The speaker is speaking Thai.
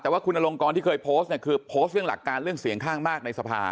แต่ว่าคุณอลงกรที่เคยโพสต์เนี่ยคือโพสต์เรื่องหลักการเรื่องเสียงข้างมากในสภา